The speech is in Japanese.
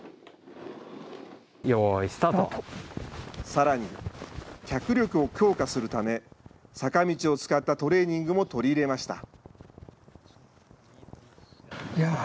さらに、脚力を強化するため、坂道を使ったトレーニングも取り入れました。